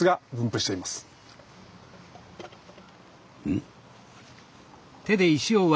ん？